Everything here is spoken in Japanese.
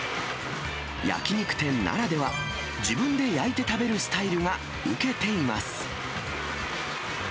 焼き肉店ならでは、自分で焼いて食べるスタイルが受けています。